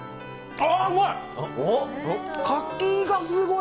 あー、うまい。